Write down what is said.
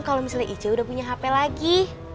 kalau misalnya icw udah punya hp lagi